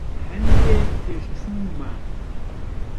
هەندێک پێشچوومە.